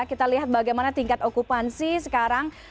kita lihat bagaimana tingkat okupansi sekarang